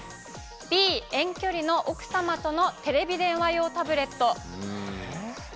Ｂ、遠距離の奥様とのテレビ電話用タブレット。